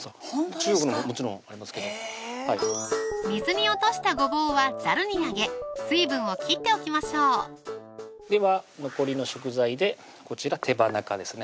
中国ももちろんありますけど水に落としたごぼうはざるにあげ水分を切っておきましょうでは残りの食材でこちら手羽中ですね